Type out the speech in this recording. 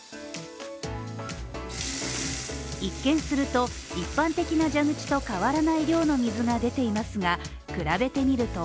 ９０一見すると、一般的な蛇口と変わらない量の水が出ていますが、比べてみると